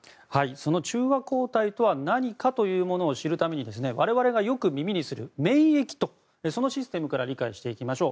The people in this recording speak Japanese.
その中和抗体とは何かを知るために我々がよく耳にする免疫のシステムから理解していきましょう。